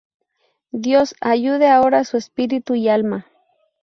Dios ayude ahora su espíritu y alma.